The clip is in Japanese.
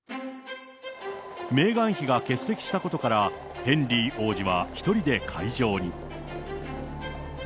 メーガン妃が欠席したことから、ヘンリー王子は１人で会場に。